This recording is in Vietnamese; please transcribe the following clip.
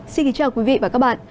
xin kính chào quý vị và các bạn